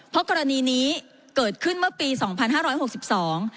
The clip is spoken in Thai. เพราะกรณีนี้เกิดขึ้นเมื่อปีสองพันห้าร้อยหกสิบสอง